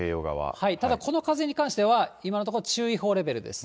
ただ、この風に関しては、今のところ、注意報レベルです。